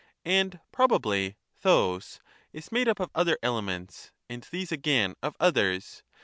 And probably 6obc is made up of other elements, and these again of others.